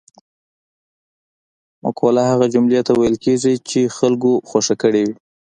مقوله هغه جملې ته ویل کیږي چې خلکو خوښه کړې وي